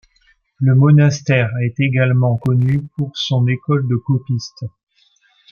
Le monastère est également connu pour son école de copistes.